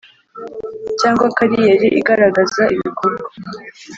cyangwa kariyeri igaragaza ibikorwa